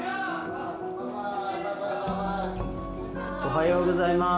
おはようございます。